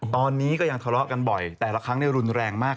ตอนนี้ก็ยังทะเลาะกันบ่อยแต่ละครั้งรุนแรงมาก